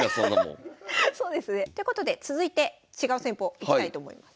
そうですね。ということで続いて違う戦法いきたいと思います。